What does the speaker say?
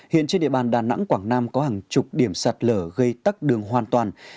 hiện trên địa bàn đà nẵng quảng nam có hàng chục điểm sạt lở gây tắc đường hoàn toàn